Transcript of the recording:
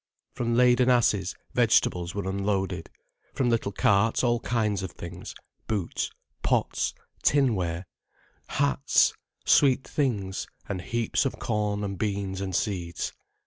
From laden asses vegetables were unloaded, from little carts all kinds of things, boots, pots, tin ware, hats, sweet things, and heaps of corn and beans and seeds.